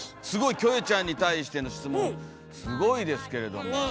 すごいキョエちゃんに対しての質問すごいですけれども。